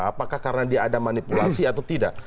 apakah karena dia ada manipulasi atau tidak